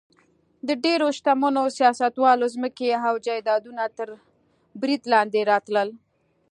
د ډېرو شتمنو سیاستوالو ځمکې او جایدادونه تر برید لاندې راتلل.